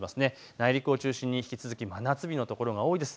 内陸を中心に引き続き真夏日の所が多いです。